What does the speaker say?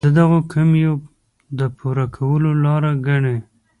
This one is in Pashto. د دغو کمیو د پوره کولو لاره ګڼي.